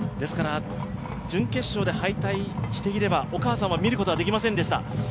準決勝で敗退していればお母様は見ることができませんでした。